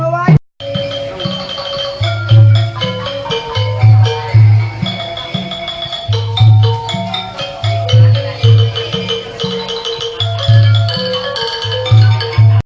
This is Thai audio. สวัสดีทุกคน